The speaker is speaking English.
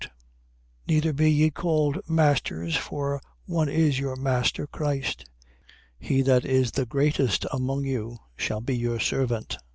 Neither be ye called masters: for one is your master, Christ. 23:11. He that is the greatest among you shall be your servant.